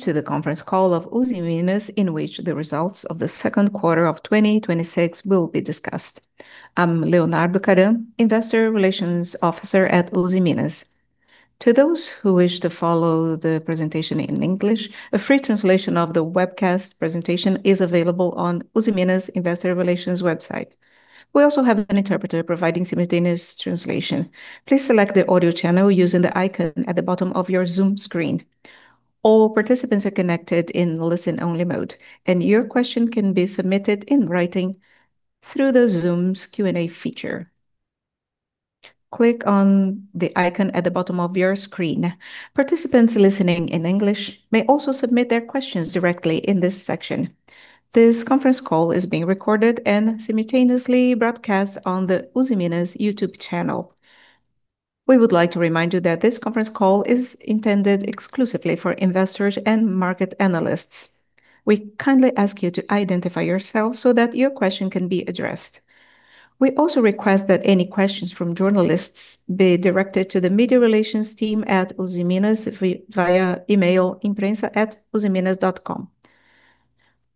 To the conference call of Usiminas, in which the results of the second quarter of 2026 will be discussed. I'm Leonardo Karam, Investor Relations Officer at Usiminas. To those who wish to follow the presentation in English, a free translation of the webcast presentation is available on Usiminas investor relations website. We also have an interpreter providing simultaneous translation. Please select the audio channel using the icon at the bottom of your Zoom screen. All participants are connected in listen-only mode, and your question can be submitted in writing through the Zoom's Q&A feature. Click on the icon at the bottom of your screen. Participants listening in English may also submit their questions directly in this section. This conference call is being recorded and simultaneously broadcast on the Usiminas YouTube channel. We would like to remind you that this conference call is intended exclusively for investors and market analysts. We kindly ask you to identify yourself so that your question can be addressed. We also request that any questions from journalists be directed to the media relations team at Usiminas via email, imprensa@usiminas.com.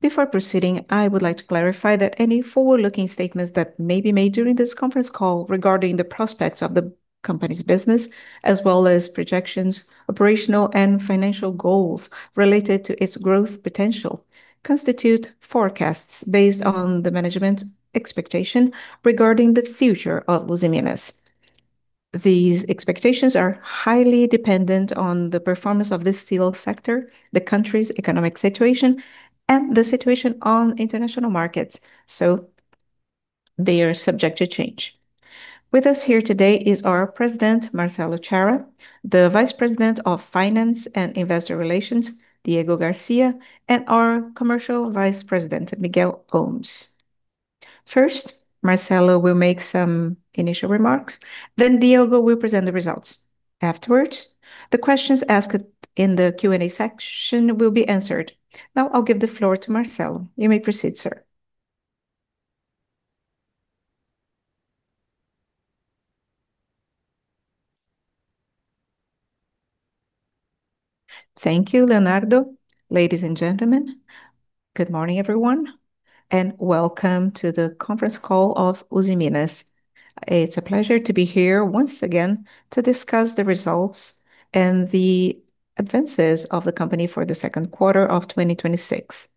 Before proceeding, I would like to clarify that any forward-looking statements that may be made during this conference call regarding the prospects of the company's business, as well as projections, operational and financial goals related to its growth potential, constitute forecasts based on the management's expectation regarding the future of Usiminas. These expectations are highly dependent on the performance of the steel sector, the country's economic situation, and the situation on international markets. They are subject to change. With us here today is our President, Marcelo Chara, the Vice President of Finance and Investor Relations, Diego Garcia, and our Commercial Vice President, Miguel Homes. First, Marcelo will make some initial remarks. Diego will present the results. Afterwards, the questions asked in the Q&A section will be answered. Now I'll give the floor to Marcelo. You may proceed, sir. Thank you, Leonardo. Ladies and gentlemen, good morning, everyone, and welcome to the conference call of Usiminas. It's a pleasure to be here once again to discuss the results and the advances of the company for the second quarter of 2026.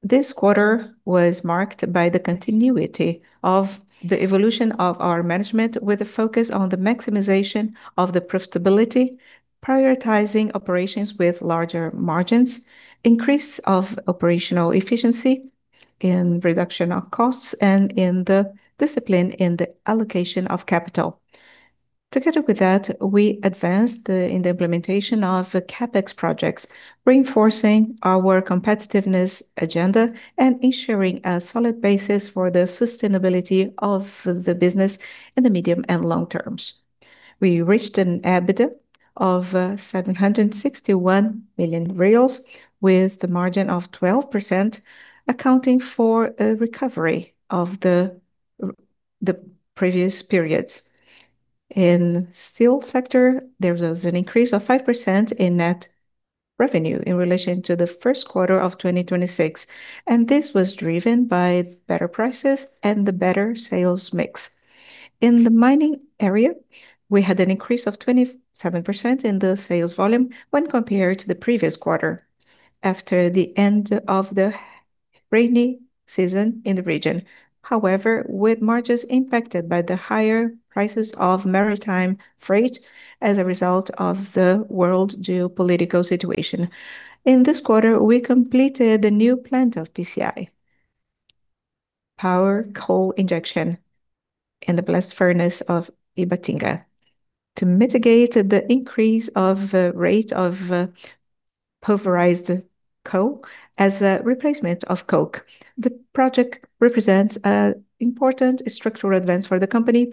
This quarter was marked by the continuity of the evolution of our management, with a focus on the maximization of the profitability, prioritizing operations with larger margins, increase of operational efficiency in reduction of costs, and in the discipline in the allocation of capital. Together with that, we advanced in the implementation of CapEx projects, reinforcing our competitiveness agenda and ensuring a solid basis for the sustainability of the business in the medium and long terms. We reached an EBITDA of 761 million reais with the margin of 12%, accounting for a recovery of the previous periods. In steel sector, there was an increase of 5% in net revenue in relation to the first quarter of 2026. This was driven by better prices and the better sales mix. In the mining area, we had an increase of 27% in the sales volume when compared to the previous quarter after the end of the rainy season in the region. However, with margins impacted by the higher prices of maritime freight as a result of the world geopolitical situation. In this quarter, we completed the new plant of PCI, Pulverized Coal Injection, in the blast furnace of Ipatinga to mitigate the increase of rate of pulverized coal as a replacement of coke. The project represents an important structural advance for the company,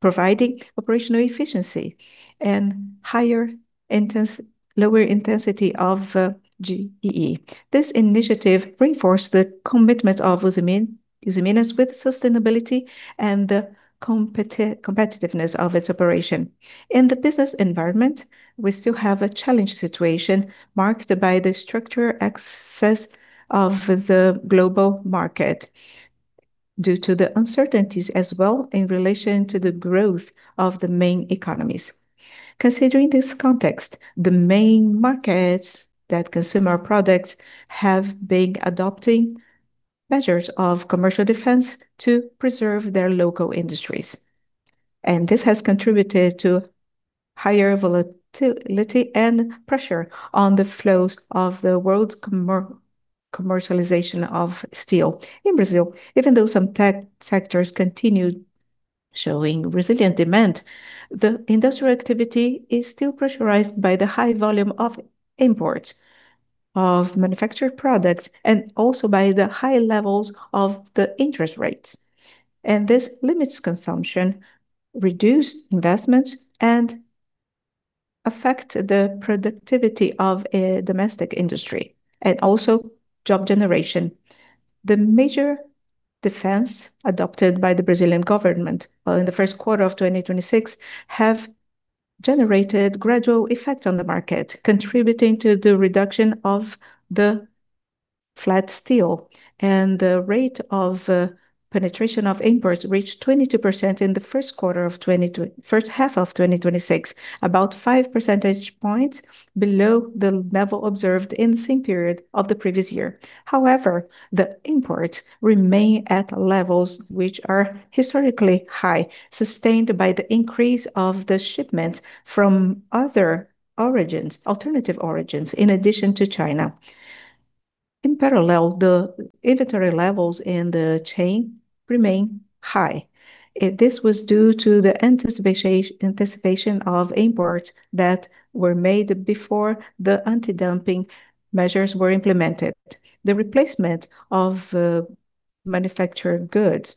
providing operational efficiency and lower intensity of GEE. This initiative reinforced the commitment of Usiminas with sustainability and the competitiveness of its operation. In the business environment, we still have a challenged situation marked by the structural excess of the global market due to the uncertainties as well in relation to the growth of the main economies. Considering this context, the main markets that consume our products have been adopting measures of commercial defense to preserve their local industries. This has contributed to higher volatility and pressure on the flows of the world's commercialization of steel. In Brazil, even though some tech sectors continued showing resilient demand, the industrial activity is still pressurized by the high volume of imports of manufactured products and also by the high levels of the interest rates. This limits consumption, reduce investments, and affect the productivity of a domestic industry, also job generation. The major defense adopted by the Brazilian government in the first quarter of 2026 have generated gradual effect on the market, contributing to the reduction of the flat steel. The rate of penetration of imports reached 22% in the first half of 2026, about five percentage points below the level observed in the same period of the previous year. However, the imports remain at levels which are historically high, sustained by the increase of the shipments from other origins, alternative origins, in addition to China. In parallel, the inventory levels in the chain remain high. This was due to the anticipation of imports that were made before the anti-dumping measures were implemented. The replacement of manufactured goods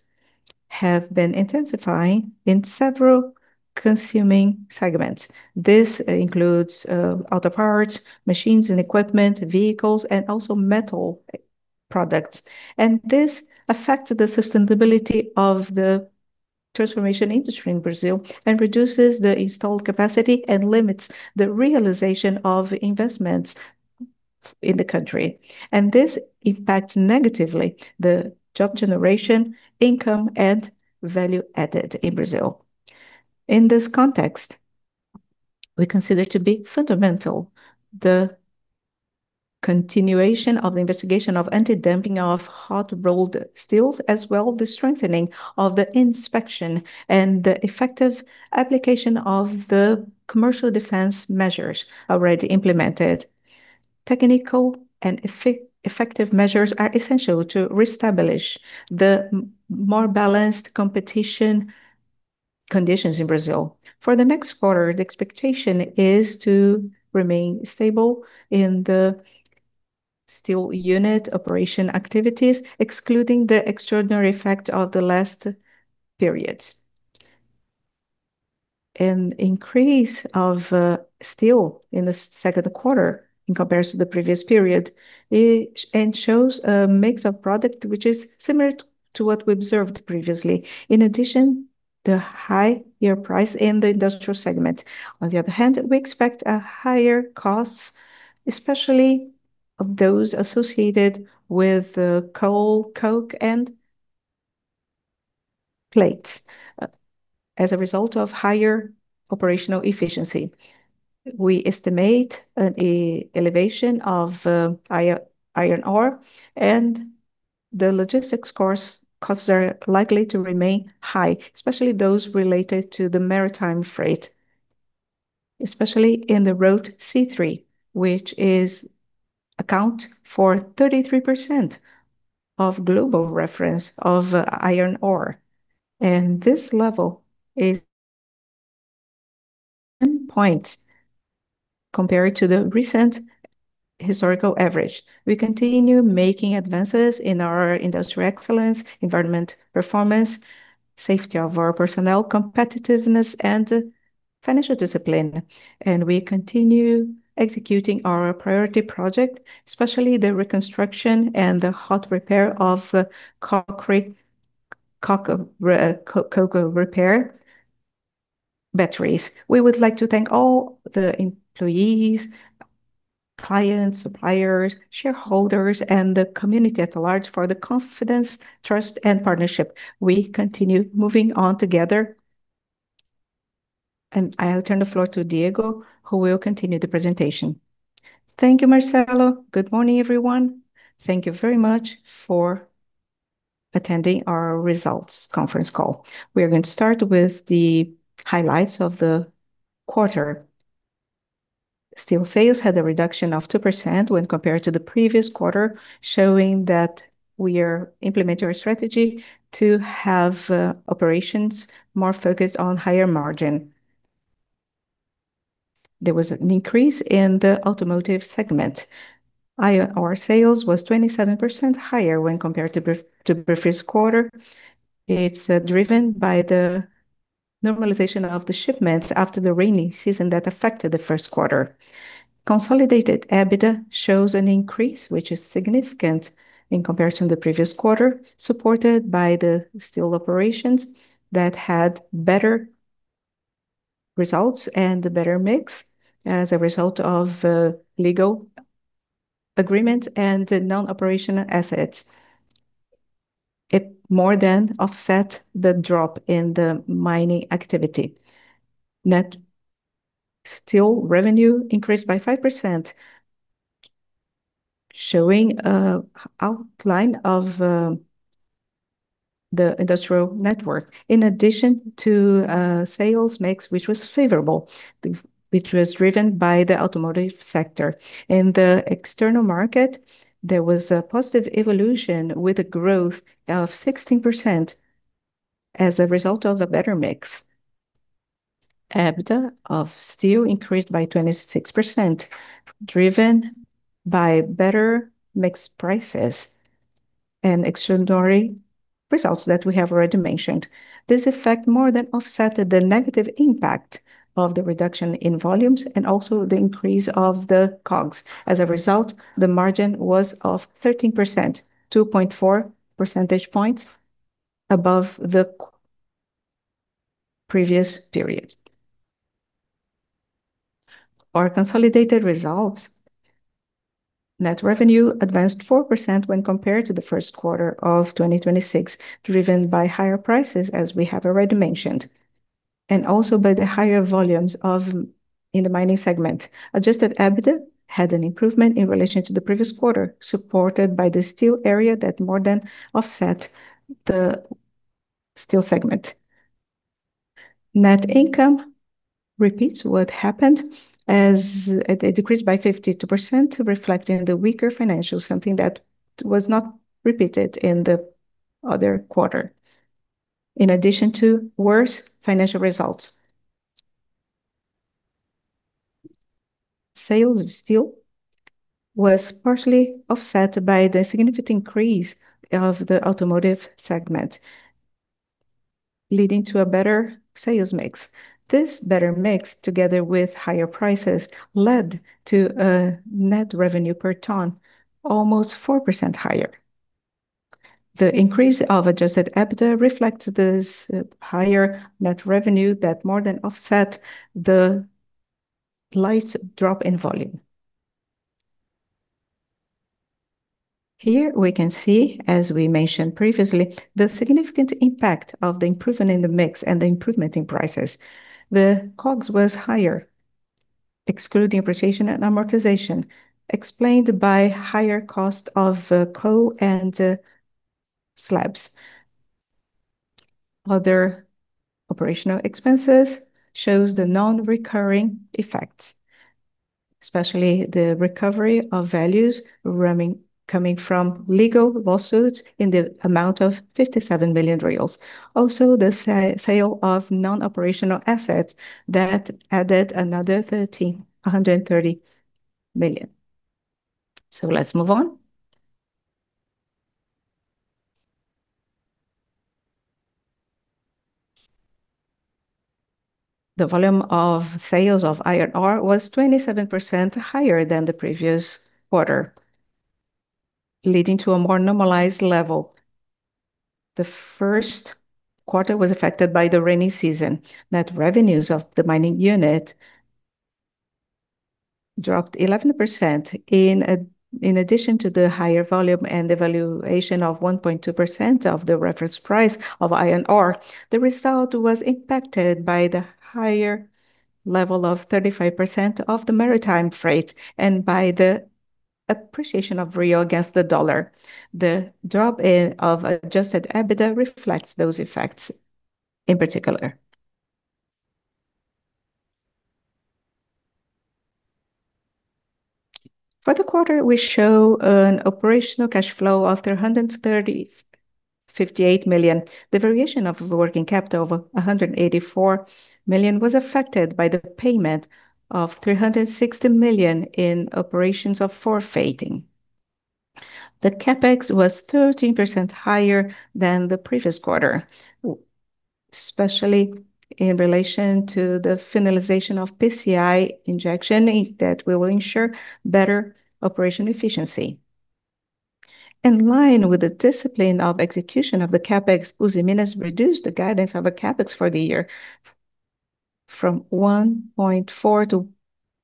have been intensifying in several consuming segments. This includes auto parts, machines and equipment, vehicles, and also metal products. This affects the sustainability of the transformation industry in Brazil and reduces the installed capacity and limits the realization of investments in the country. This impacts negatively the job generation, income, and value added in Brazil. In this context, we consider to be fundamental the continuation of the investigation of anti-dumping of hot-rolled steels, as well the strengthening of the inspection and the effective application of the commercial defense measures already implemented. Technical and effective measures are essential to reestablish the more balanced competition conditions in Brazil. For the next quarter, the expectation is to remain stable in the steel unit operation activities, excluding the extraordinary effect of the last periods. An increase of steel in the second quarter in comparison to the previous period, shows a mix of product which is similar to what we observed previously. In addition, the higher price in the industrial segment. On the other hand, we expect higher costs, especially of those associated with coal, coke and plates as a result of higher operational efficiency. We estimate an elevation of iron ore and the logistics costs are likely to remain high, especially those related to the maritime freight, especially in the Route C3, which account for 33% of global reference of iron ore. This level points compared to the recent historical average. We continue making advances in our industrial excellence, environment performance, safety of our personnel, competitiveness, and financial discipline. We continue executing our priority project, especially the reconstruction and the hot repair of Coke Batteries. We would like to thank all the employees, clients, suppliers, shareholders, and the community at large for the confidence, trust, and partnership. We continue moving on together. I'll turn the floor to Diego, who will continue the presentation. Thank you, Marcelo. Good morning, everyone. Thank you very much for attending our results conference call. We are going to start with the highlights of the quarter. Steel sales had a reduction of 2% when compared to the previous quarter, showing that we are implementing our strategy to have operations more focused on higher margin. There was an increase in the automotive segment. Iron ore sales was 27% higher when compared to the previous quarter. It's driven by the normalization of the shipments after the rainy season that affected the first quarter. Consolidated EBITDA shows an increase which is significant in comparison to the previous quarter, supported by the steel operations that had better results and a better mix as a result of legal agreement and non-operational assets. It more than offset the drop in the mining activity. Net steel revenue increased by 5%, showing outline of the industrial network. In addition to sales mix, which was favorable, which was driven by the automotive sector. In the external market, there was a positive evolution with a growth of 16% as a result of a better mix. EBITDA of steel increased by 26%, driven by better mix prices and extraordinary results that we have already mentioned. This effect more than offset the negative impact of the reduction in volumes and also the increase of the COGS. The margin was of 13%, 2.4 percentage points above the previous period. Our consolidated results. Net revenue advanced 4% when compared to the first quarter of 2026, driven by higher prices, as we have already mentioned, and also by the higher volumes in the mining segment. Adjusted EBITDA had an improvement in relation to the previous quarter, supported by the steel area that more than offset the steel segment. Net income repeats what happened as it decreased by 52%, reflecting the weaker financials, something that was not repeated in the other quarter. In addition to worse financial results. Sales of steel was partially offset by the significant increase of the automotive segment, leading to a better sales mix. This better mix, together with higher prices, led to a net revenue per ton almost 4% higher. The increase of adjusted EBITDA reflects this higher net revenue that more than offset the light drop in volume. Here we can see, as we mentioned previously, the significant impact of the improvement in the mix and the improvement in prices. The COGS was higher, excluding depreciation and amortization, explained by higher cost of coal and slabs. Other operational expenses shows the non-recurring effects, especially the recovery of values coming from legal lawsuits in the amount of 57 million reais. Also, the sale of non-operational assets that added another 130 million. Let's move on. The volume of sales of iron ore was 27% higher than the previous quarter, leading to a more normalized level. The first quarter was affected by the rainy season. Net revenues of the mining unit dropped 11%. In addition to the higher volume and the valuation of 1.2% of the reference price of iron ore, the result was impacted by the higher level of 35% of the maritime freight and by the appreciation of Brazilian real against the U.S. dollar. The drop of adjusted EBITDA reflects those effects in particular. For the quarter, we show an operational cash flow of 358 million. The variation of working capital of 184 million was affected by the payment of 360 million in operations of forfaiting. The CapEx was 13% higher than the previous quarter, especially in relation to the finalization of PCI injection that will ensure better operation efficiency. In line with the discipline of execution of the CapEx, Usiminas reduced the guidance of a CapEx for the year from 1.4 billion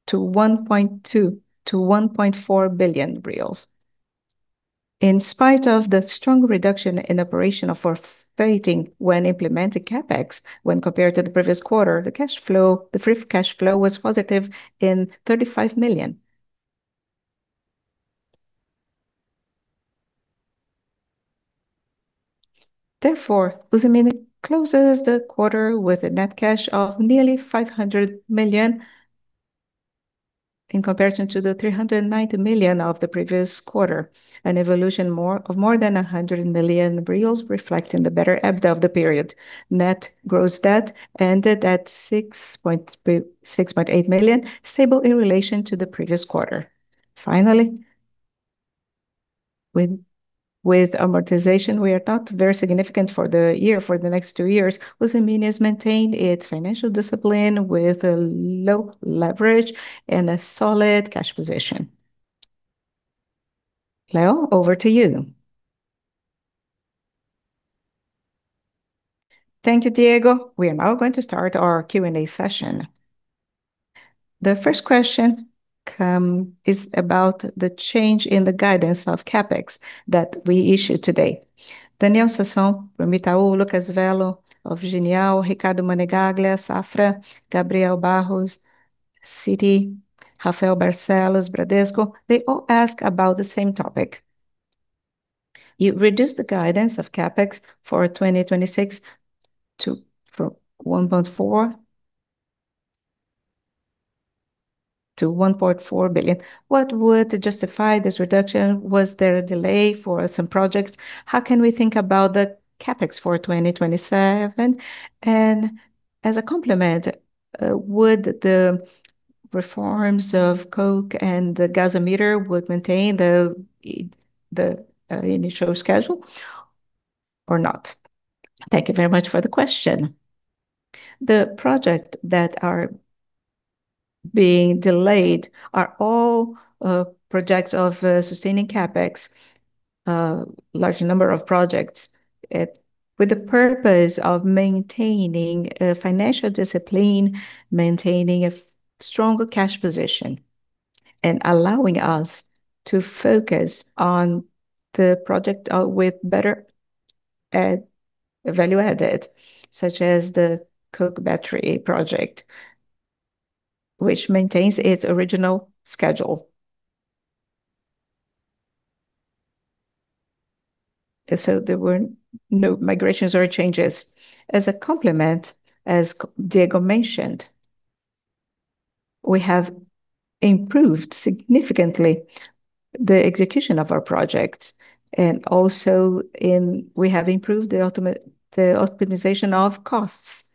to 1.2 billion-1.4 billion reais. In spite of the strong reduction in operation of forfaiting when implementing CapEx when compared to the previous quarter, the free cash flow was positive in 35 million. Therefore, Usiminas closes the quarter with a net cash of nearly 500 million in comparison to the 390 million of the previous quarter. An evolution of more than 100 million reais reflecting the better EBITDA of the period. Net gross debt ended at 6.8 million, stable in relation to the previous quarter. Finally, with amortization, we are not very significant for the year, for the next two years. Usiminas maintained its financial discipline with a low leverage and a solid cash position. Leo, over to you. Thank you, Diego. We are now going to start our Q&A session. The first question is about the change in the guidance of CapEx that we issued today. Daniel Sasson from Itaú, Lucas Vello of Genial, Ricardo Monegaglia, Safra, Gabriel Barros, Citi, Rafael Barcellos, Bradesco, they all ask about the same topic. You reduced the guidance of CapEx for 2026 to 1.4 billion. What would justify this reduction? Was there a delay for some projects? How can we think about the CapEx for 2027? As a complement, would the reforms of Coke and The Gasometer would maintain the initial schedule or not? Thank you very much for the question. The projects that are being delayed are all projects of sustaining CapEx, a large number of projects, with the purpose of maintaining financial discipline, maintaining a stronger cash position, and allowing us to focus on the project with better value added, such as The Coke Battery Project, which maintains its original schedule. There were no migrations or changes. As a complement, as Diego mentioned, we have improved significantly the execution of our projects, also we have improved the optimization of costs.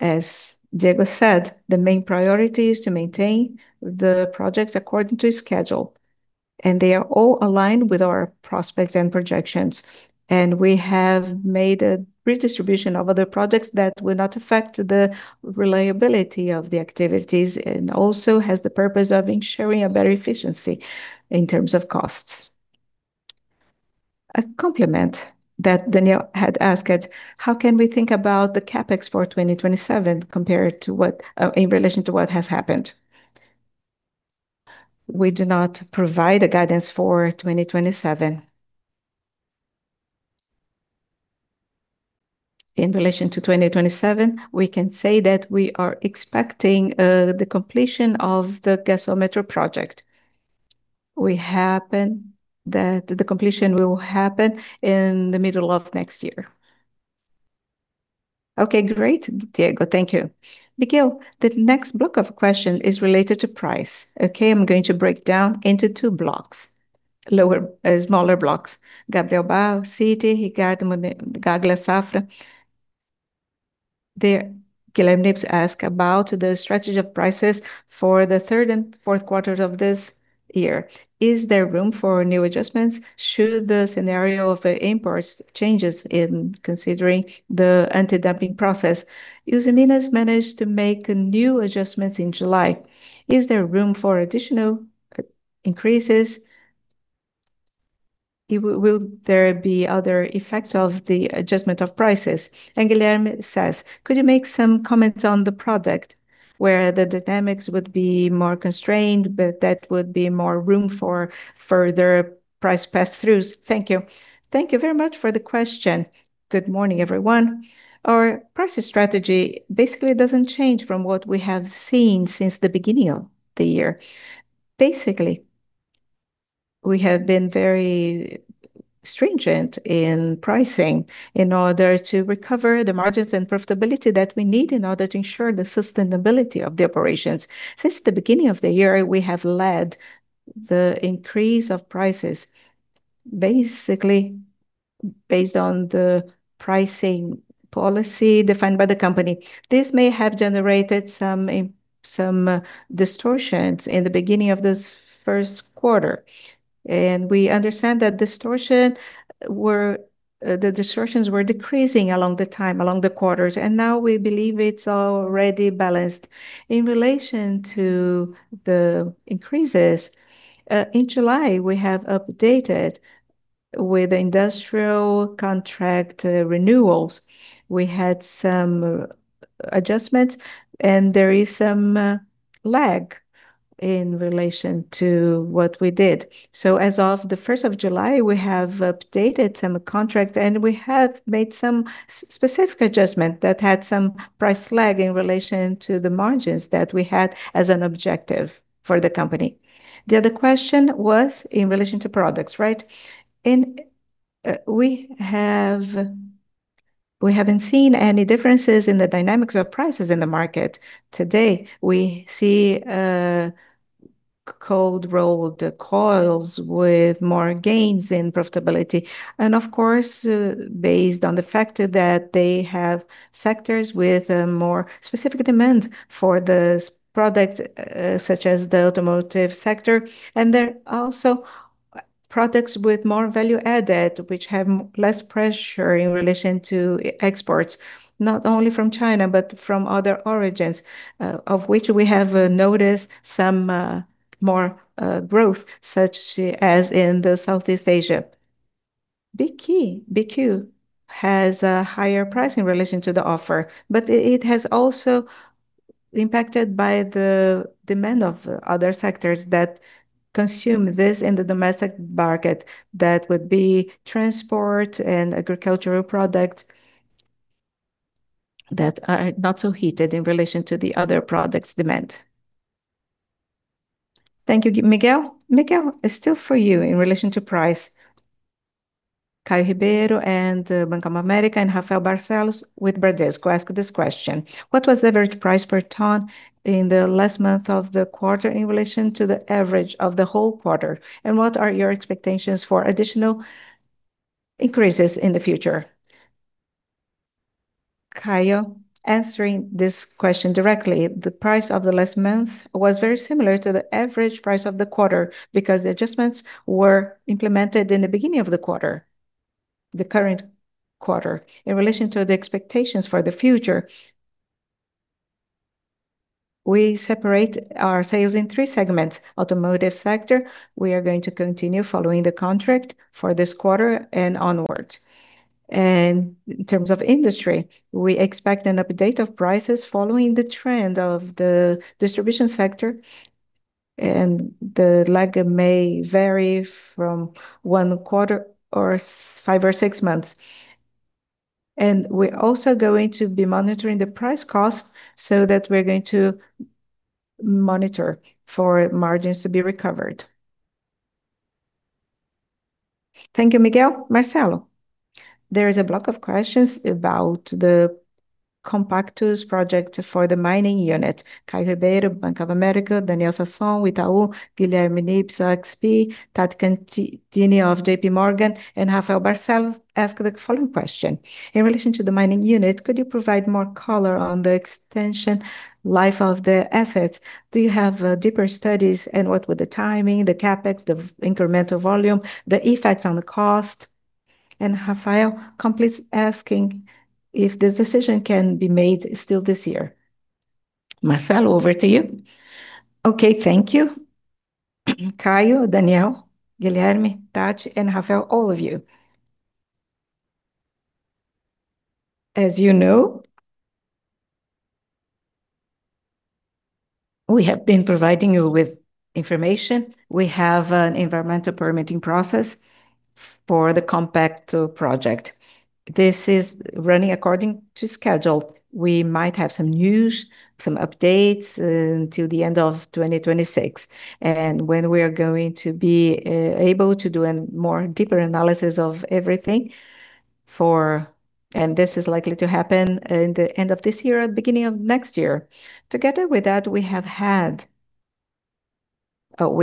As Diego said, the main priority is to maintain the projects according to schedule, and they are all aligned with our prospects and projections. We have made a redistribution of other projects that will not affect the reliability of the activities, and also has the purpose of ensuring a better efficiency in terms of costs. A complement that Daniel had asked, how can we think about the CapEx for 2027 in relation to what has happened? We do not provide a guidance for 2027. In relation to 2027, we can say that we are expecting the completion of the Gasômetro project. The completion will happen in the middle of next year. Okay, great, Diego. Thank you. Miguel, the next block of questions is related to price. I am going to break down into two blocks, smaller blocks. Gabriel Barros, Citi, Ricardo Monegaglia, Safra. Guilherme Nippes asked about the strategy of prices for the third and fourth quarters of this year. Is there room for new adjustments should the scenario of imports change in considering the anti-dumping process? Usiminas managed to make new adjustments in July. Is there room for additional increases? Will there be other effects of the adjustment of prices? Guilherme says, could you make some comments on the product where the dynamics would be more constrained, but that would be more room for further price pass-throughs? Thank you. Thank you very much for the question. Good morning, everyone. Our pricing strategy basically does not change from what we have seen since the beginning of the year. We have been very stringent in pricing in order to recover the margins and profitability that we need in order to ensure the sustainability of the operations. Since the beginning of the year, we have led the increase of prices, basically based on the pricing policy defined by the company. This may have generated some distortions in the beginning of this first quarter. We understand that the distortions were decreasing along the time, along the quarters, and now we believe it is already balanced. In relation to the increases, in July, we have updated with industrial contract renewals. We had some adjustments, there is some lag in relation to what we did. As of the 1st of July, we have updated some contracts, we have made some specific adjustment that had some price lag in relation to the margins that we had as an objective for the company. The other question was in relation to products, right? We have not seen any differences in the dynamics of prices in the market today. We see cold-rolled coils with more gains in profitability. Of course, based on the fact that they have sectors with more specific demand for this product, such as the automotive sector. There are also products with more value added, which have less pressure in relation to exports, not only from China, but from other origins, of which we have noticed some more growth, such as in the Southeast Asia. BQ has a higher price in relation to the offer, it has also impacted by the demand of other sectors that consume this in the domestic market. That would be transport and agricultural product that are not so heated in relation to the other products' demand. Thank you, Miguel. Miguel, still for you in relation to price. Caio Ribeiro and Bank of America and Rafael Barcellos with Bradesco asked this question: What was the average price per ton in the last month of the quarter in relation to the average of the whole quarter, and what are your expectations for additional increases in the future? Caio, answering this question directly, the price of the last month was very similar to the average price of the quarter because the adjustments were implemented in the beginning of the current quarter. In relation to the expectations for the future, we separate our sales in three segments. Automotive sector, we are going to continue following the contract for this quarter and onwards. In terms of industry, we expect an update of prices following the trend of the distribution sector, and the lag may vary from one quarter or five or six months. We're also going to be monitoring the price cost, so that we're going to monitor for margins to be recovered. Thank you, Miguel. Marcelo. There is a block of questions about the Compactus project for the mining unit. Caio Ribeiro, Bank of America, Daniel Sasson with Itaú, Guilherme Nippes, XP, Tathiane Candini of J.P. Morgan, and Rafael Barcellos ask the following question: In relation to the mining unit, could you provide more color on the extension life of the assets? Do you have deeper studies? What would the timing, the CAPEX, the incremental volume, the effects on the cost? Rafael completes, asking if this decision can be made still this year. Marcelo, over to you. Okay. Thank you. Caio, Daniel, Guilherme, Tathiane, and Rafael, all of you. As you know, we have been providing you with information. We have an environmental permitting process for the Compactus project. This is running according to schedule. We might have some news, some updates until the end of 2026. When we are going to be able to do a more deeper analysis of everything. This is likely to happen in the end of this year or the beginning of next year. Together with that, we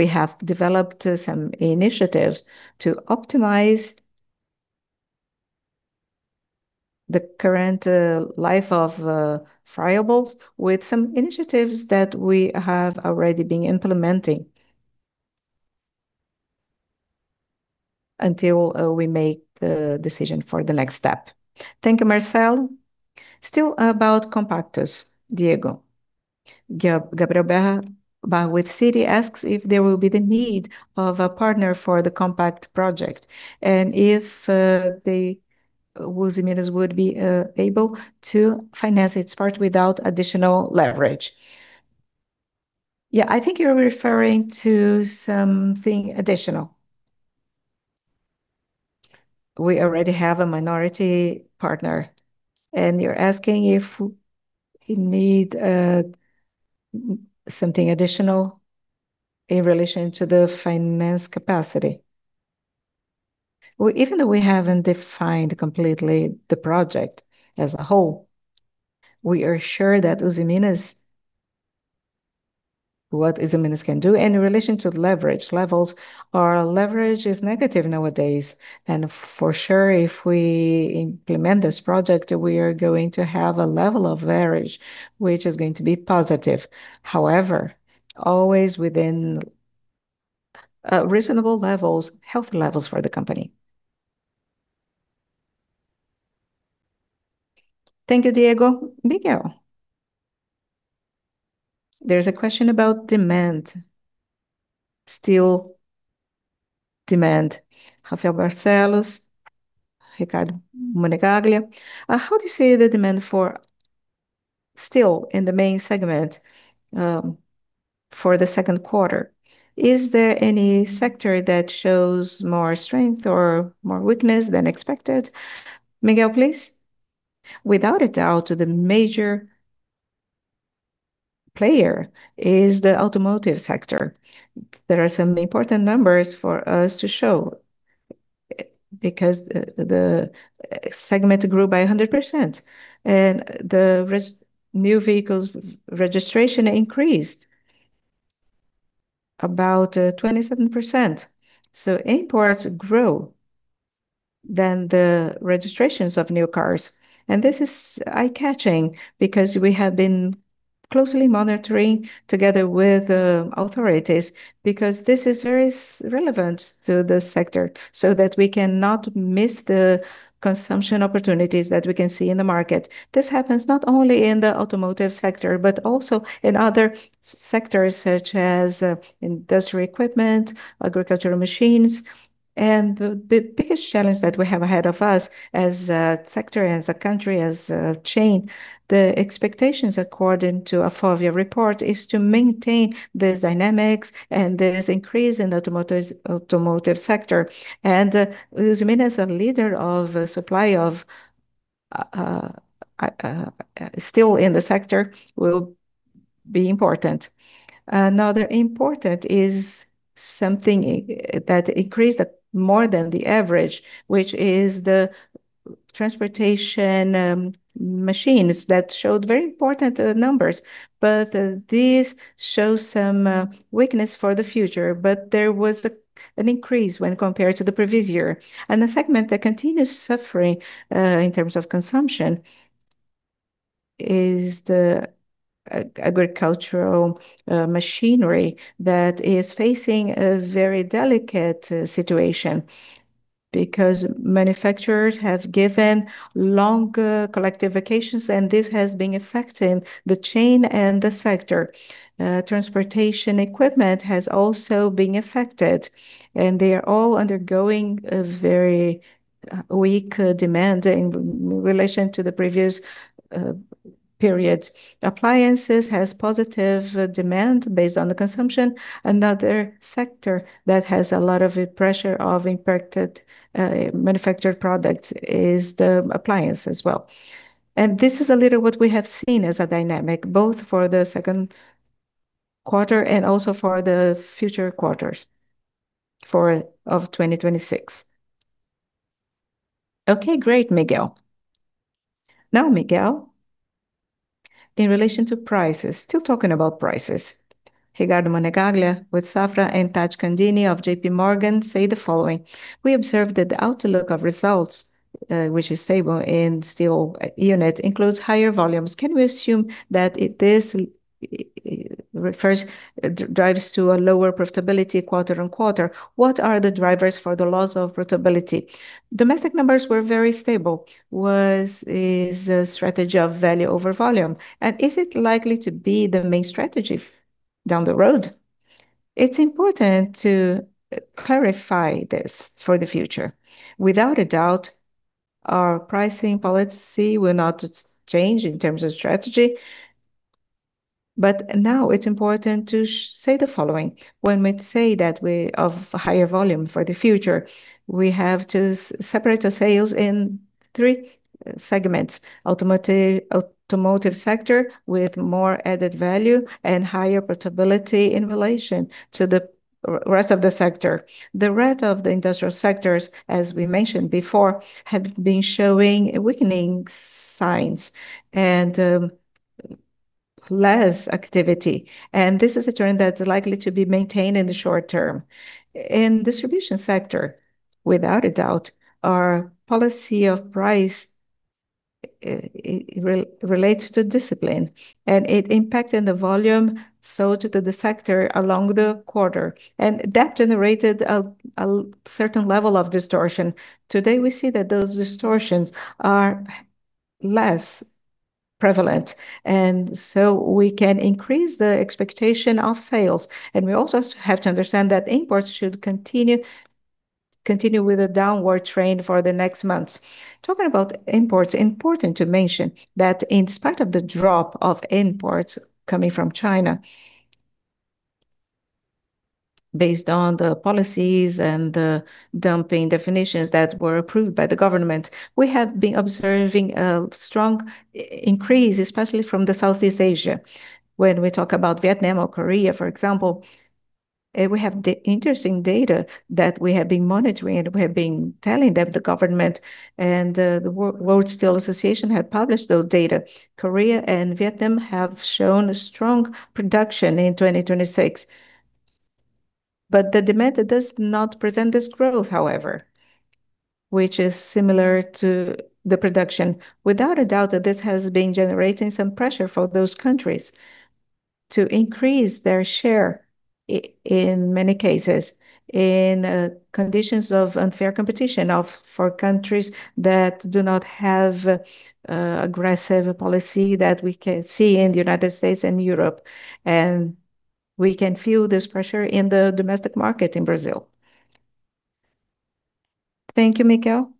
have developed some initiatives to optimize the current life of friables with some initiatives that we have already been implementing until we make the decision for the next step. Thank you, Marcelo. Still about Compactus. Diego. Gabriel Barros with Citi asks if there will be the need of a partner for the Compactus project, and if Usiminas would be able to finance its part without additional leverage. Yeah, I think you're referring to something additional. We already have a minority partner, and you're asking if we need something additional in relation to the finance capacity. Well, even though we haven't defined completely the project as a whole, we are sure that what Usiminas can do. In relation to leverage levels, our leverage is negative nowadays. For sure, if we implement this project, we are going to have a level of leverage which is going to be positive. However, always within reasonable levels, healthy levels for the company. Thank you, Diego. Miguel. There's a question about demand. Steel demand. Rafael Barcellos, Ricardo Monegaglia. How do you see the demand for steel in the main segment for the second quarter? Is there any sector that shows more strength or more weakness than expected? Miguel, please. Without a doubt, the major player is the automotive sector. There are some important numbers for us to show because the segment grew by 100%, and the new vehicles registration increased about 27%. Imports grew than the registrations of new cars. This is eye-catching because we have been closely monitoring together with authorities because this is very relevant to the sector, so that we cannot miss the consumption opportunities that we can see in the market. This happens not only in the automotive sector, but also in other sectors such as industrial equipment, agricultural machines. The biggest challenge that we have ahead of us as a sector, as a country, as a chain, the expectations according to an ANFAVEA report is to maintain these dynamics and this increase in automotive sector. Usiminas as a leader of supply of steel in the sector will be important. Another important is something that increased more than the average, which is the transportation machines that showed very important numbers. This shows some weakness for the future. There was an increase when compared to the previous year. The segment that continues suffering in terms of consumption is the agricultural machinery that is facing a very delicate situation because manufacturers have given longer collective vacations, and this has been affecting the chain and the sector. Transportation equipment has also been affected, and they are all undergoing a very weak demand in relation to the previous periods. Appliances has positive demand based on the consumption. Another sector that has a lot of pressure of impacted manufactured products is the appliance as well. This is a little what we have seen as a dynamic, both for the second quarter and also for the future quarters of 2026. Okay, great, Miguel. Now, Miguel, in relation to prices, still talking about prices. Ricardo Monegaglia with Safra and Tathiane Candini of J.P. Morgan say the following: "We observed that the outlook of results, which is stable in steel unit, includes higher volumes. Can we assume that this drives to a lower profitability quarter-on-quarter? What are the drivers for the loss of profitability? Domestic numbers were very stable. Is it a strategy of value over volume? Is it likely to be the main strategy down the road?" It's important to clarify this for the future. Without a doubt, our pricing policy will not change in terms of strategy. Now it's important to say the following. When we say that we have a higher volume for the future, we have to separate the sales in three segments. Automotive sector with more added value and higher profitability in relation to the rest of the sector. The rest of the industrial sectors, as we mentioned before, have been showing weakening signs and less activity. This is a trend that's likely to be maintained in the short term. In distribution sector, without a doubt, our policy of price relates to discipline, and it impacted the volume sold to the sector along the quarter. That generated a certain level of distortion. Today, we see that those distortions are less prevalent, and so we can increase the expectation of sales. We also have to understand that imports should continue with a downward trend for the next months. Talking about imports, important to mention that in spite of the drop of imports coming from China, based on the policies and the anti-dumping definitions that were approved by the government, we have been observing a strong increase, especially from the Southeast Asia. When we talk about Vietnam or Korea, for example, we have interesting data that we have been monitoring, and we have been telling them, the government and the World Steel Association have published those data. Korea and Vietnam have shown a strong production in 2026. The demand does not present this growth, however, which is similar to the production. Without a doubt, this has been generating some pressure for those countries to increase their share, in many cases, in conditions of unfair competition for countries that do not have aggressive policy that we can see in the U.S. and Europe. We can feel this pressure in the domestic market in Brazil. Thank you, Miguel.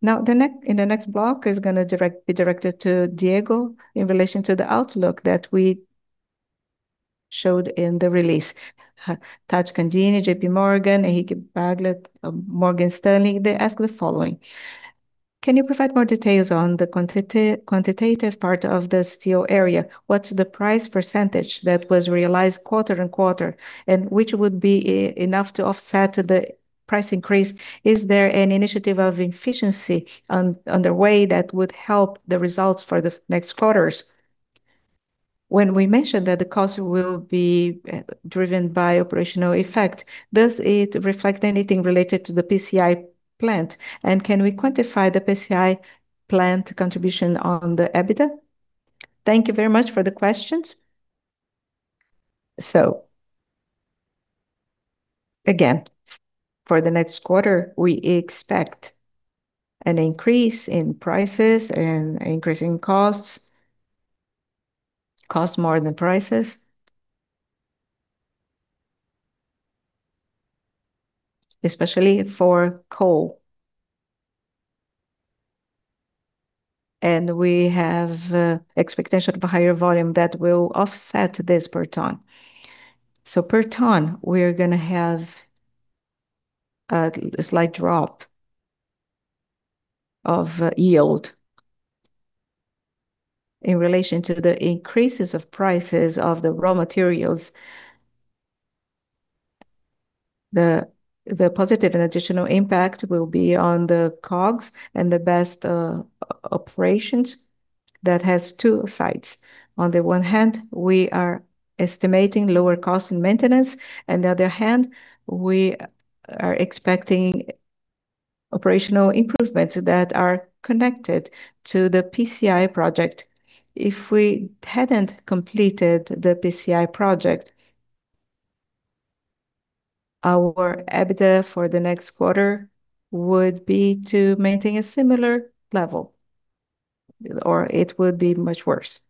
Now, the next block is going to be directed to Diego in relation to the outlook that we showed in the release. Tathiane Candini, J.P. Morgan, and Henrique Braga of Morgan Stanley, they ask the following: "Can you provide more details on the quantitative part of the steel area? What is the price % that was realized quarter-on-quarter, and which would be enough to offset the price increase? Is there any initiative of efficiency underway that would help the results for the next quarters? When we mentioned that the cost will be driven by operational effect, does it reflect anything related to the PCI plant? Can we quantify the PCI plant contribution on the EBITDA?" Thank you very much for the questions. Again, for the next quarter, we expect an increase in prices and increase in costs. Costs more than prices. Especially for coal. We have expectation of a higher volume that will offset this per ton. So per ton, we are going to have a slight drop of yield in relation to the increases of prices of the raw materials. The positive and additional impact will be on the COGS and the best operations that has two sides. On the one hand, we are estimating lower cost in maintenance. On the other hand, we are expecting operational improvements that are connected to the PCI Project. If we hadn't completed the PCI Project, our EBITDA for the next quarter would be to maintain a similar level, or it would be much worse.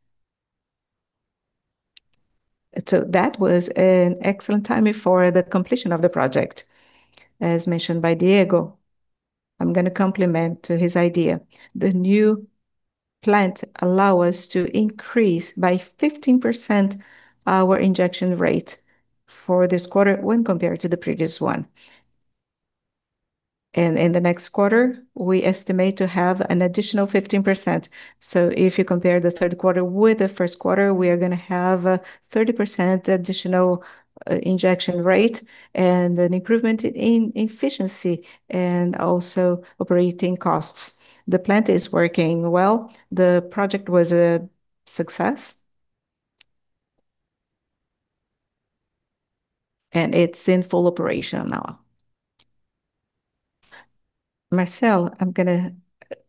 That was an excellent timing for the completion of the project, as mentioned by Diego. I am going to complement his idea. The new plant allows us to increase by 15% our injection rate for this quarter when compared to the previous one. In the next quarter, we estimate to have an additional 15%. If you compare the third quarter with the first quarter, we are going to have a 30% additional injection rate and an improvement in efficiency and also operating costs. The plant is working well. The project was a success, and it is in full operation now. Marcelo, I am going to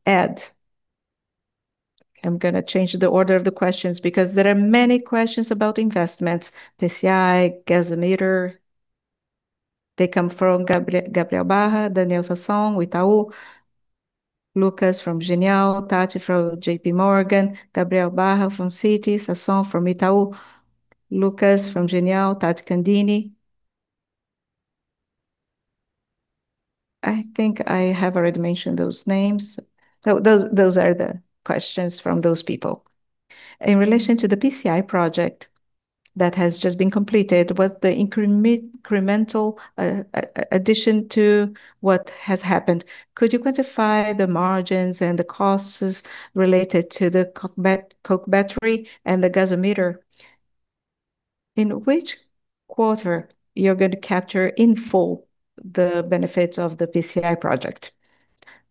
add. I am going to change the order of the questions because there are many questions about investments, PCI, Gasometer. They come from Gabriel Barros, Daniel Sasson, Itaú, Lucas from Genial, Tathiane from J.P. Morgan, Gabriel Barros from Citi, Sasson from Itaú, Lucas from Genial, Tathiane Candini. I think I have already mentioned those names. Those are the questions from those people. In relation to the PCI Project that has just been completed with the incremental addition to what has happened, could you quantify the margins and the costs related to The Coke Battery and The Gasometer? In which quarter are you going to capture in full the benefits of the PCI Project?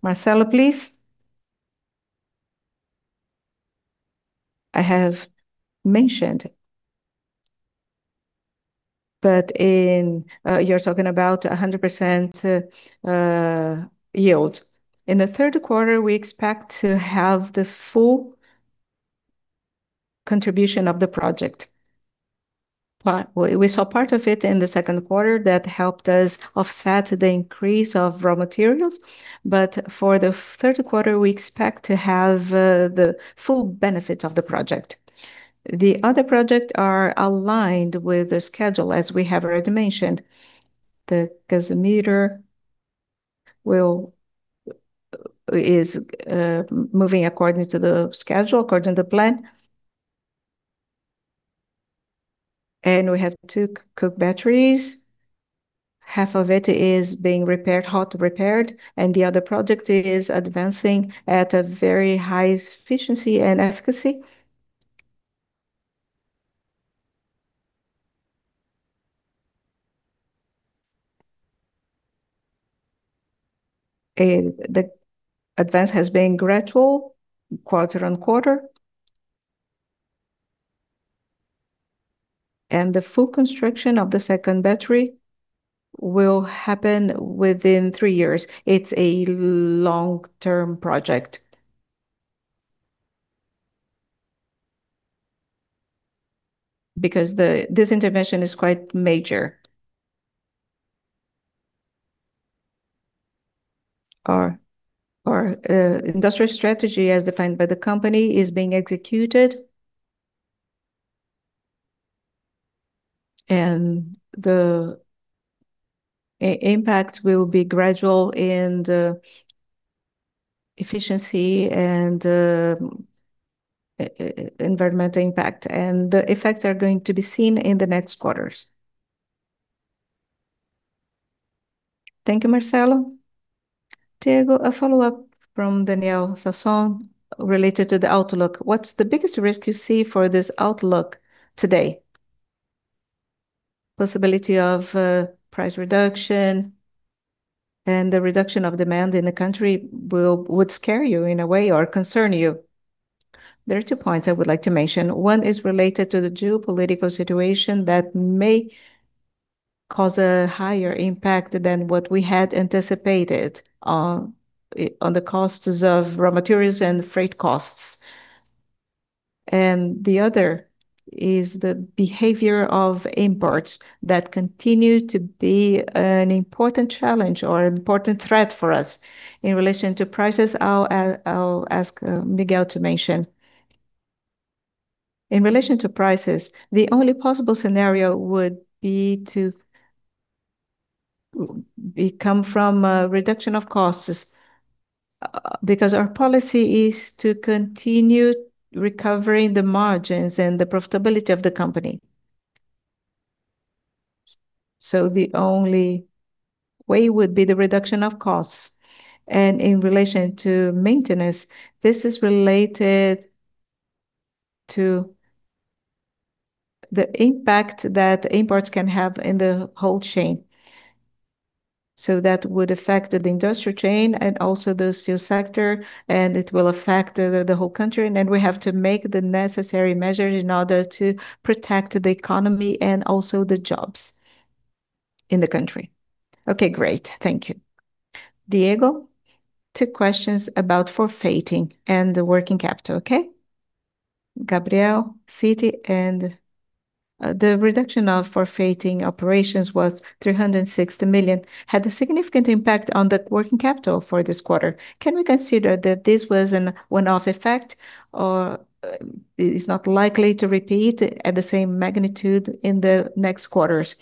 Marcelo, please. I have mentioned, but you are talking about 100% yield. In the third quarter, we expect to have the full contribution of the project. We saw part of it in the second quarter that helped us offset the increase of raw materials. For the third quarter, we expect to have the full benefit of the project. The other project are aligned with the schedule, as we have already mentioned. The Gasometer is moving according to the schedule, according to plan. We have two Coke Batteries. Half of it is being repaired, hot repaired, and the other project is advancing at a very high efficiency and efficacy. The advance has been gradual quarter-on-quarter. The full construction of the second battery will happen within three years. It's a long-term project because this intervention is quite major. Our industrial strategy, as defined by the company, is being executed. The impact will be gradual in the efficiency and the environmental impact, and the effects are going to be seen in the next quarters. Thank you, Marcelo. Diego, a follow-up from Daniel Sasson related to the outlook. What's the biggest risk you see for this outlook today? Possibility of price reduction and the reduction of demand in the country would scare you in a way or concern you. There are two points I would like to mention. One is related to the geopolitical situation that may cause a higher impact than what we had anticipated on the costs of raw materials and freight costs. The other is the behavior of imports that continue to be an important challenge or an important threat for us. In relation to prices, I'll ask Miguel to mention. In relation to prices, the only possible scenario would be to come from a reduction of costs because our policy is to continue recovering the margins and the profitability of the company. The only way would be the reduction of costs. In relation to maintenance, this is related to the impact that imports can have in the whole chain. That would affect the industrial chain and also the steel sector, and it will affect the whole country, we have to make the necessary measures in order to protect the economy and also the jobs. In the country. Okay, great. Thank you. Diego, two questions about forfaiting and the working capital, okay? Gabriel, Citi, the reduction of forfaiting operations was 360 million, had a significant impact on the working capital for this quarter. Can we consider that this was an one-off effect, or is not likely to repeat at the same magnitude in the next quarters?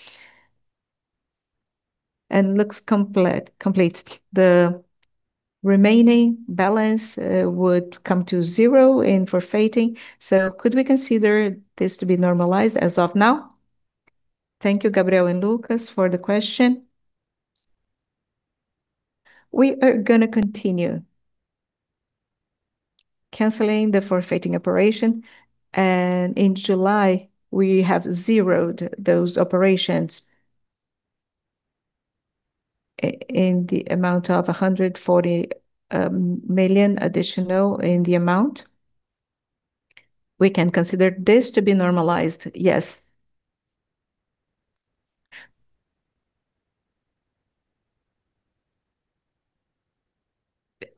Looks complete. The remaining balance would come to zero in forfaiting. Could we consider this to be normalized as of now? Thank you Gabriel and Lucas for the question. We are going to continue canceling the forfaiting operation. In July, we have zeroed those operations in the amount of 140 million additional in the amount. We can consider this to be normalized, yes.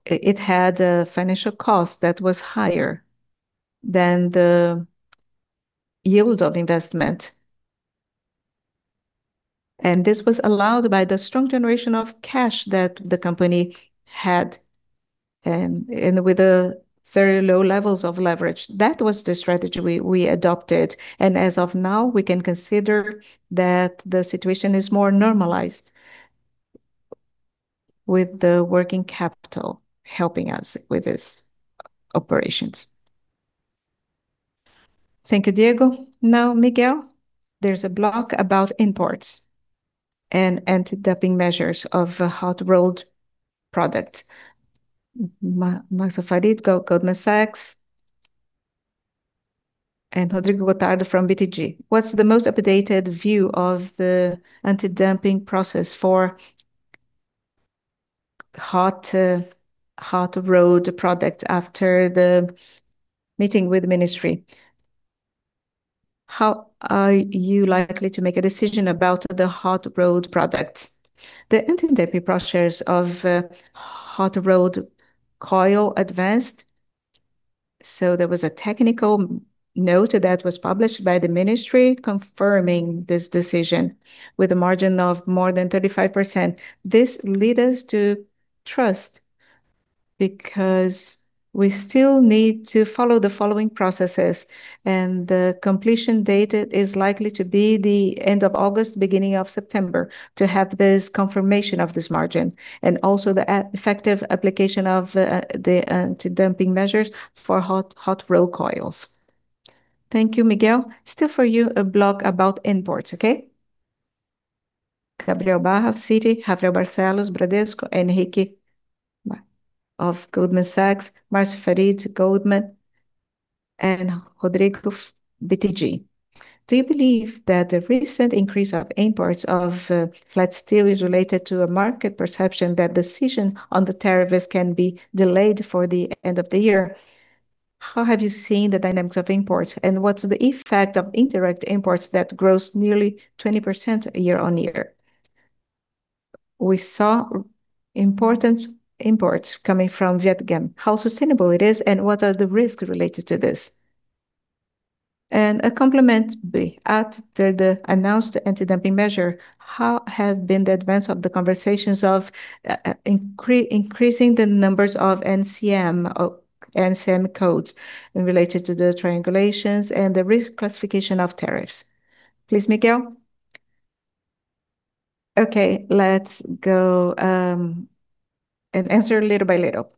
It had a financial cost that was higher than the yield of investment. This was allowed by the strong generation of cash that the company had, with the very low levels of leverage. That was the strategy we adopted, and as of now, we can consider that the situation is more normalized with the working capital helping us with these operations. Thank you, Diego. Now, Miguel, there's a block about imports and anti-dumping measures of hot-rolled product. Marcio Farid, Goldman Sachs, and Rodrigo Gotardo from BTG. What's the most updated view of the anti-dumping process for hot-rolled product after the meeting with the ministry? How are you likely to make a decision about the hot-rolled products? The anti-dumping pressures of hot-rolled coil advanced. There was a technical note that was published by the ministry confirming this decision with a margin of more than 35%. This led us to trust because we still need to follow the following processes, and the completion date is likely to be the end of August, beginning of September, to have this confirmation of this margin, and also the effective application of the anti-dumping measures for hot-rolled coils. Thank you, Miguel. Still for you, a block about imports, okay? Gabriel Barros, Citi, Rafael Barcellos, Bradesco, Henrique of Goldman Sachs, Marcio Farid, Goldman Sachs, and Rodrigo, BTG. Do you believe that the recent increase of imports of flat steel is related to a market perception that decision on the tariffs can be delayed for the end of the year? How have you seen the dynamics of imports, and what's the effect of indirect imports that grows nearly 20% year-over-year? We saw important imports coming from Vietnam, how sustainable it is, and what are the risks related to this? A complement. After the announced anti-dumping measure, how have been the advance of the conversations of increasing the numbers of NCM codes related to the triangulations and the reclassification of tariffs? Please, Miguel. Let's go and answer little by little.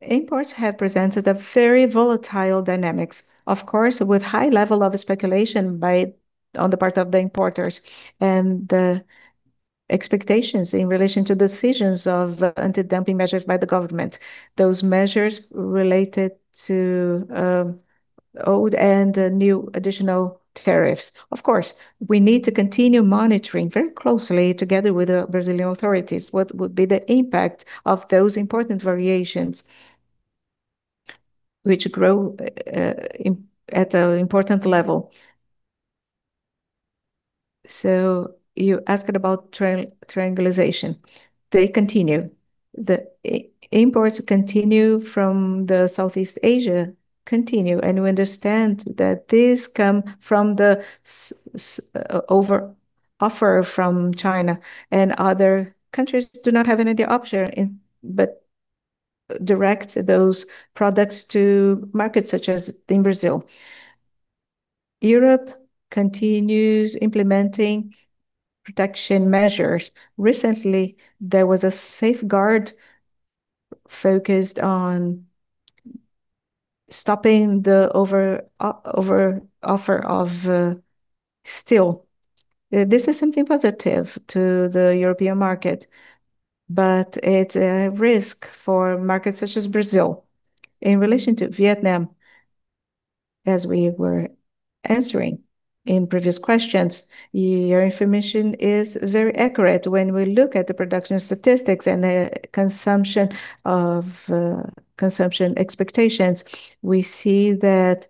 Imports have presented a very volatile dynamics, of course, with high level of speculation on the part of the importers, and the expectations in relation to decisions of anti-dumping measures by the government. Those measures related to old and new additional tariffs. We need to continue monitoring very closely together with the Brazilian authorities what would be the impact of those important variations which grow at an important level. You asked about triangulation. They continue. The imports from Southeast Asia continue, and we understand that this come from the over-offer from China, and other countries do not have any other option, but direct those products to markets such as in Brazil. Europe continues implementing protection measures. Recently, there was a safeguard focused on stopping the over-offer of steel. This is something positive to the European market, but it's a risk for markets such as Brazil. In relation to Vietnam, as we were answering in previous questions, your information is very accurate. When we look at the production statistics and consumption expectations, we see that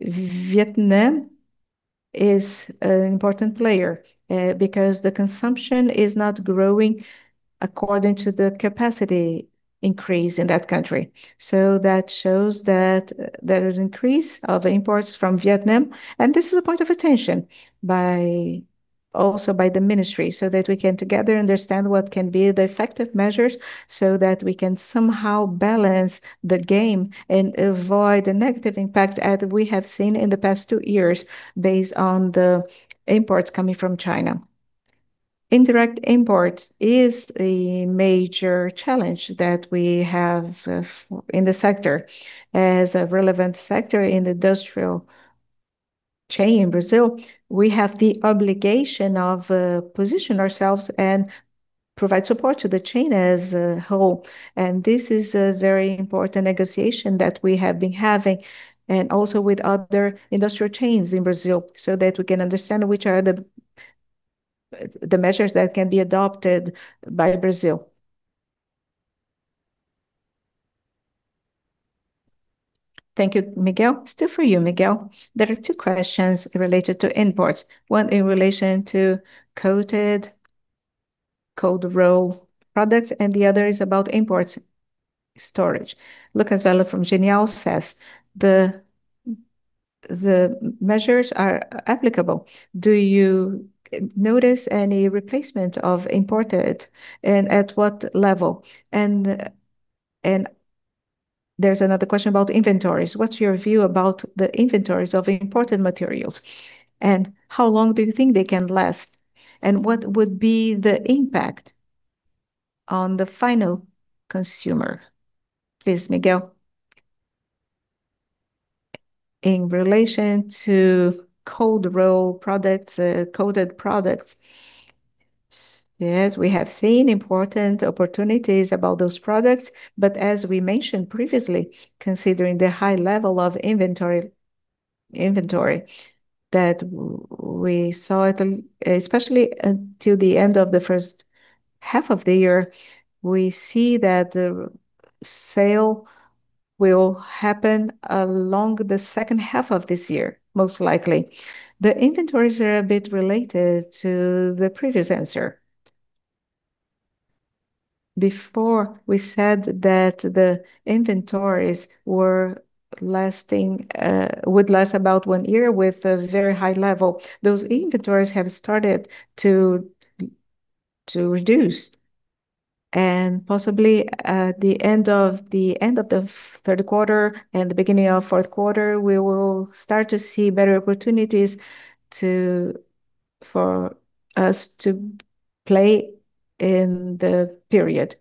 Vietnam is an important player because the consumption is not growing according to the capacity increase in that country. That shows that there is increase of imports from Vietnam, and this is a point of attention also by the ministry, so that we can together understand what can be the effective measures so that we can somehow balance the game and avoid the negative impact as we have seen in the past two years based on the imports coming from China. Indirect imports is a major challenge that we have in the sector. As a relevant sector in the industrial chain in Brazil, we have the obligation of position ourselves and provide support to the chain as a whole. This is a very important negotiation that we have been having, also with other industrial chains in Brazil, so that we can understand which are the measures that can be adopted by Brazil. Thank you, Miguel. Still for you, Miguel. There are two questions related to imports. One in relation to coated cold-rolled products, and the other is about imports storage. Lucas Vello from Genial says the measures are applicable. Do you notice any replacement of imported and at what level? There is another question about inventories. What is your view about the inventories of imported materials, and how long do you think they can last? What would be the impact on the final consumer? Please, Miguel. In relation to cold-rolled products, coated products, yes, we have seen important opportunities about those products. As we mentioned previously, considering the high level of inventory that we saw, especially until the end of the first half of the year, we see that the sale will happen along the second half of this year, most likely. The inventories are a bit related to the previous answer. Before we said that the inventories would last about one year with a very high level. Those inventories have started to reduce and possibly at the end of the third quarter and the beginning of fourth quarter, we will start to see better opportunities for us to play in the period.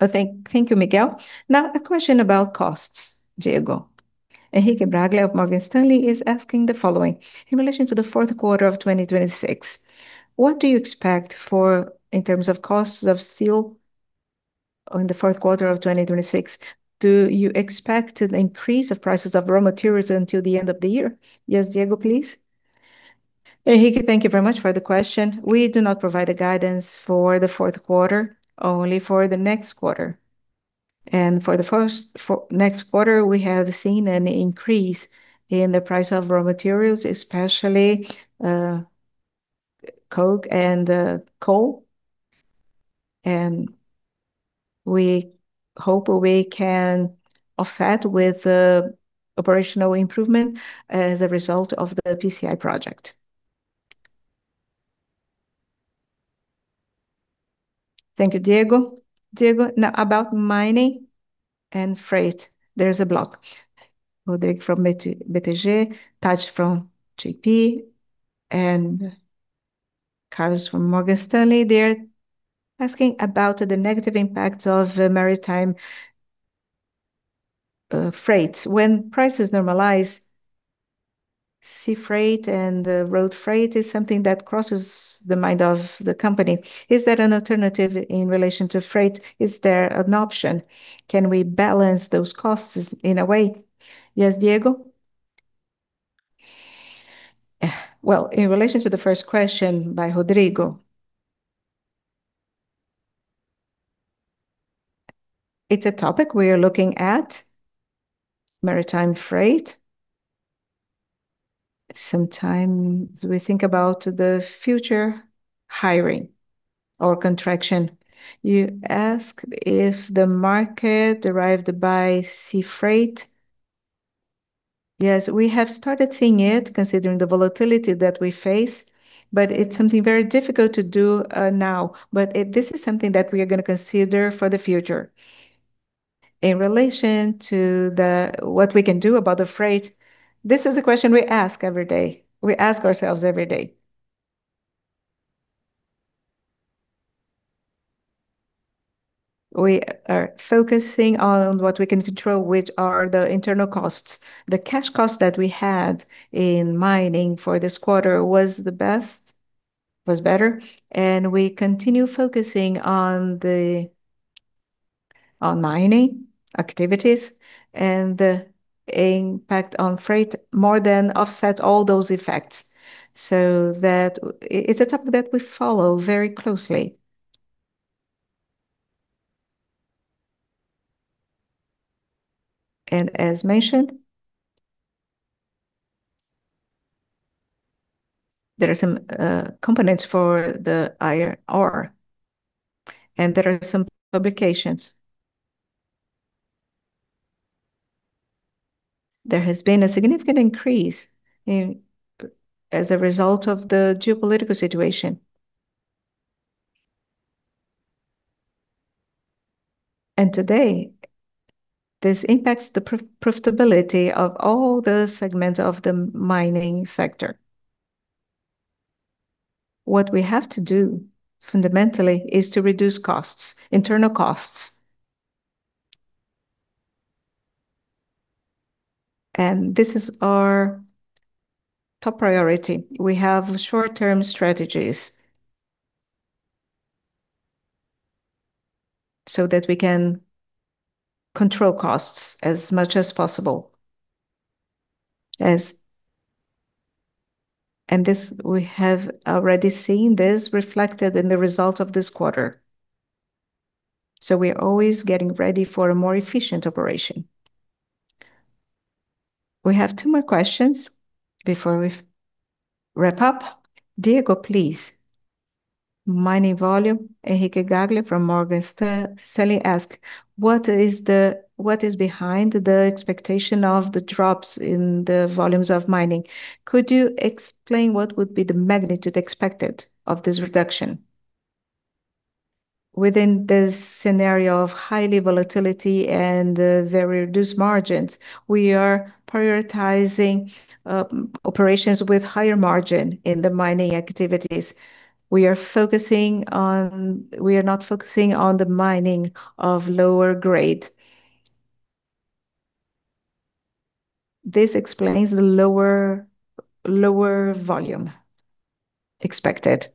Thank you, Miguel. Now a question about costs, Diego. Henrique Braga of Morgan Stanley is asking the following. In relation to the fourth quarter of 2026, what do you expect for in terms of costs of steel on the fourth quarter of 2026? Do you expect an increase of prices of raw materials until the end of the year? Yes, Diego, please. Henrique, thank you very much for the question. We do not provide a guidance for the fourth quarter, only for the next quarter. For the next quarter, we have seen an increase in the price of raw materials, especially coke and coal. We hope we can offset with operational improvement as a result of the PCI Project. Thank you, Diego. Diego, now about mining and freight. There is a block. Rodrigo from BTG, Tathiane from J.P., and Carlos from Morgan Stanley. They are asking about the negative impact of maritime freights. When prices normalize, sea freight and road freight is something that crosses the mind of the company. Is there an alternative in relation to freight? Is there an option? Can we balance those costs in a way? Yes, Diego. In relation to the first question by Rodrigo, it is a topic we are looking at, maritime freight. Sometimes we think about the future hiring or contracting. You ask if the market arrived by sea freight. Yes, we have started seeing it, considering the volatility that we face, but it is something very difficult to do now. This is something that we are going to consider for the future. In relation to what we can do about the freight, this is a question we ask every day. We ask ourselves every day. We are focusing on what we can control, which are the internal costs. The cash cost that we had in mining for this quarter was better, and we continue focusing on mining activities and the impact on freight more than offset all those effects. So it is a topic that we follow very closely. As mentioned, there are some components for the IR. There are some publications. There has been a significant increase as a result of the geopolitical situation. Today, this impacts the profitability of all the segments of the mining sector. What we have to do fundamentally is to reduce costs, internal costs. This is our top priority. We have short-term strategies so that we can control costs as much as possible. We have already seen this reflected in the result of this quarter. We are always getting ready for a more efficient operation. We have two more questions before we wrap up. Diego, please. Mining volume. Henrique Braga from Morgan Stanley asks, "What is behind the expectation of the drops in the volumes of mining? Could you explain what would be the magnitude expected of this reduction?" Within this scenario of highly volatility and very reduced margins, we are prioritizing operations with higher margin in the mining activities. We are not focusing on the mining of lower grade. This explains the lower volume expected.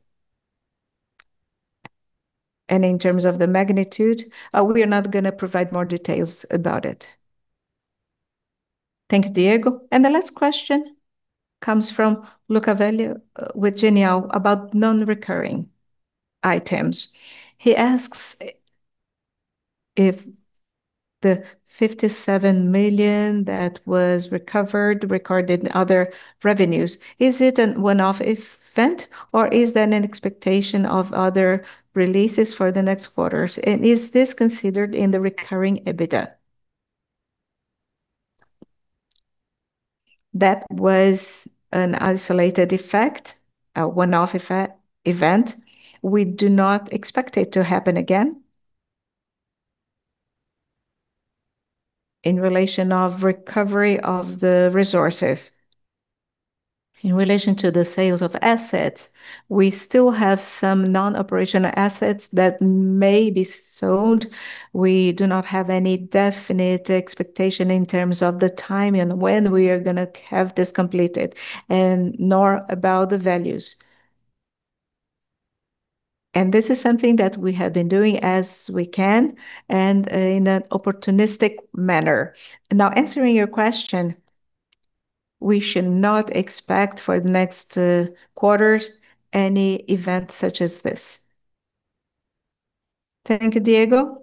In terms of the magnitude, we are not going to provide more details about it. Thank you, Diego. The last question comes from Lucas Vello with Genial about non-recurring items. He asks if the 57 million that was recovered, recorded in other revenues, is it a one-off event, or is that an expectation of other releases for the next quarters? Is this considered in the recurring EBITDA? That was an isolated effect, a one-off event. We do not expect it to happen again in relation of recovery of the resources. In relation to the sales of assets, we still have some non-operational assets that may be sold. We do not have any definite expectation in terms of the timing, when we are going to have this completed, nor about the values. This is something that we have been doing as we can and in an opportunistic manner. Now, answering your question, we should not expect for the next quarters any event such as this. Thank you, Diego.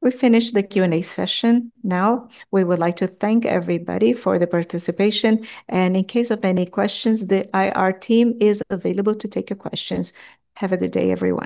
We've finished the Q&A session now. We would like to thank everybody for the participation, in case of any questions, the IR team is available to take your questions. Have a good day, everyone.